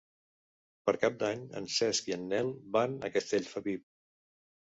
Per Cap d'Any en Cesc i en Nel van a Castellfabib.